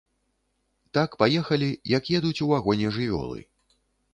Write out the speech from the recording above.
Так паехалі, як едуць у вагоне жывёлы.